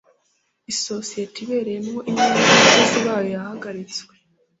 Isosiyete ibereyemo imyenda abakozi bayo yahagaritswe